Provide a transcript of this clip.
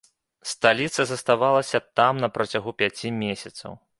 Сталіца заставалася там на працягу пяці месяцаў.